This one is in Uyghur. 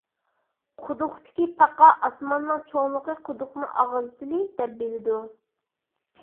قۇدۇقتىكى پاقا، ئاسماننىڭ چوڭلۇقى قۇدۇقنىڭ ئاغزىچىلىك دەپ بىلىدۇ.